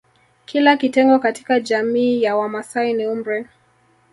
Kila kitengo katika jamiii ya Wamasai ni umri